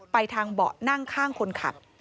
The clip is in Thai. ไปทางเบาะนั่งข้างคนขับ